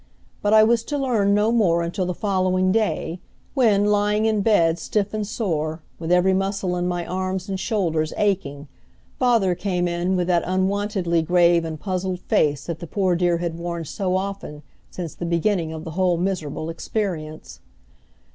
But I was to learn no more until the following day, when, lying in bed, stiff and sore, with every muscle in my arms and shoulders aching, father came in with that unwontedly grave and puzzled face that the poor dear had worn so often since the beginning of the whole miserable experience.